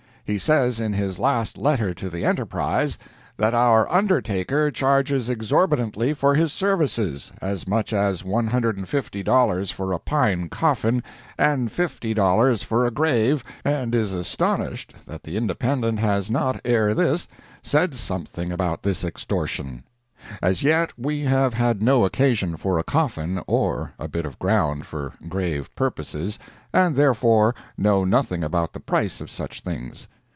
He says in his last letter to the ENTERPRISE, that our undertaker charges exorbitantly for his services—as much as $150 for a pine coffin, and $50 for a grave and is astonished that the Independent has not, ere this, said something about this extortion. As yet we have had no occasion for a coffin or a bit of ground for grave purposes, and therefore know nothing about the price of such things.